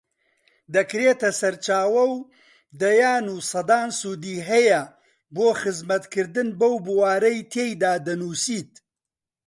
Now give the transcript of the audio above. دەکرێتە سەرچاوە و دەیان و سەدان سوودی هەیە بۆ خزمەتکردن بەو بوارەی تێیدا دەنووسیت